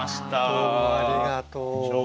どうもありがとう。